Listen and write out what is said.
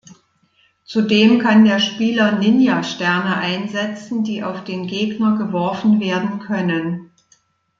Zudem kann der Spieler Ninja-Sterne einsetzen, die auf den Gegner geworfen werden können.